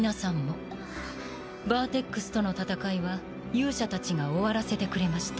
バーテックスとの戦いは勇者たちが終わらせてくれました。